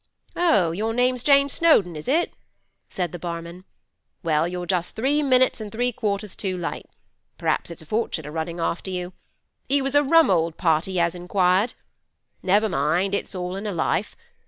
'Oh, your name's Jane Snowdon, is it?' said the barman. 'Well, you're just three minutes an' three quarters too late. P'r'aps it's a fortune a runnin' after you. He was a rum old party as inquired. Never mind; it's all in a life.